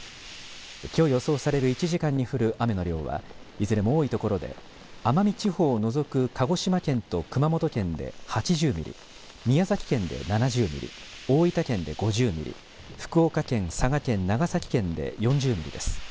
きょう予想される１時間に降る雨の量はいずれも多いところで奄美地方を除く鹿児島県と熊本県で８０ミリ、宮崎県で７０ミリ、大分県で５０ミリ、福岡県、佐賀県、長崎県で４０ミリです。